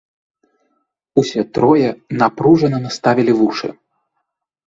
Усе трое напружана наставілі вушы.